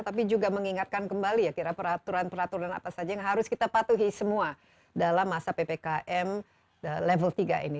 tapi juga mengingatkan kembali ya kira peraturan peraturan apa saja yang harus kita patuhi semua dalam masa ppkm level tiga ini